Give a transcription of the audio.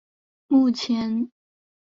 目前萨拉斯没有效力任何球队。